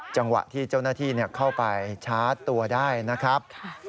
จังหวะที่เจ้าหน้าที่เข้าไปชาร์จตัวได้นะครับ